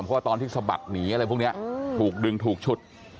เพราะว่าตอนที่สะบัดหนีอะไรพวกนี้ถูกดึงถูกฉุด